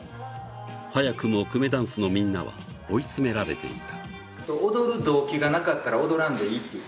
早くも、くめだんすのみんなは追い詰められていた。